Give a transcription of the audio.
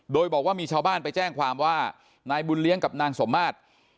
โดยบอกว่ามีชาวบ้านไปแจ้งความว่านายบุญเลี้ยงกับนางสมมาตร